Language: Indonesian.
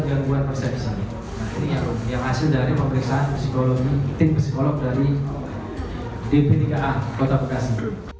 gangguan persepsi yang hasil dari pemeriksaan psikologi tim psikolog dari dpnika kota bekasi